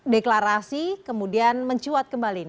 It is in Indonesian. deklarasi kemudian mencuat kembali